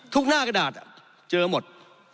หน้ากระดาษเจอหมด